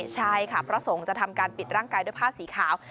ใช่ค่ะพระสงฆ์จะทำการปิดร่างกายด้วยผ้าสีขาว